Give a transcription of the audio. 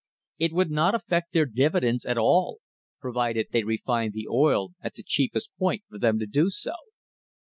It would not affect their dividends at all, provided they refined the oil at the cheapest point for them to do so.